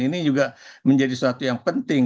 ini juga menjadi sesuatu yang penting